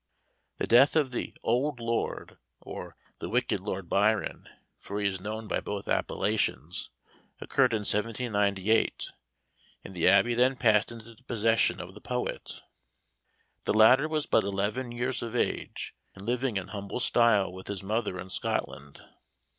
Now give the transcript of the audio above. The death of the "Old Lord," or "The Wicked Lord Byron," for he is known by both appellations, occurred in 1798; and the Abbey then passed into the possession of the poet. The latter was but eleven years of age, and living in humble style with his mother in Scotland.